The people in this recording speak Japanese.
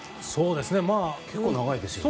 結構長いですね。